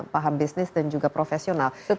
paham bisnis dan juga profesional